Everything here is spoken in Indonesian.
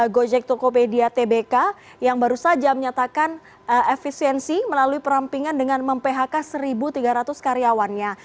gojek tokopedia tbk yang baru saja menyatakan efisiensi melalui perampingan dengan mem phk satu tiga ratus karyawannya